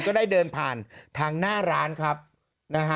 ก็ได้เดินผ่านทางหน้าร้านครับนะฮะ